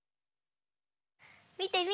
みてみて。